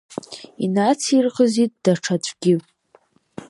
Инацирӷызит даҽаӡәгьы.